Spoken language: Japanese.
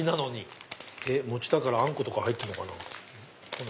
餅だからあんことか入ってるのかな。